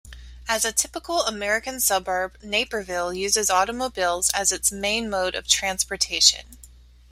As a typical American suburb, Naperville' uses automobiles as its main mode of transportation.